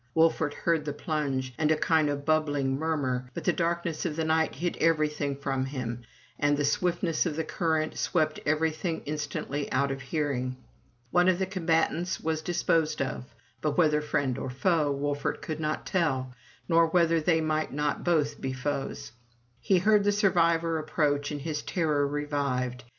Wolfert heard the plunge, and a kind of bubbling murmur, but the darkness of the night hid everything from him, and the swiftness of the current swept everything instantly out of hearing. One of the combatants was disposed of, but whether friend or foe, Wolfert could not tell, nor whether they might not both be foes. He heard the survivor approach, and his terror revived.